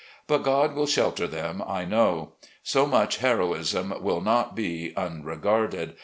But God wiU shelter them, I know. So much heroism will not be unregarded.